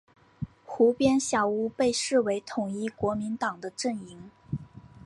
湖边小屋被视为统一国民党的阵营。